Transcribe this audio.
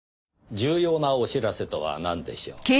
重要なお知らせとはなんでしょう？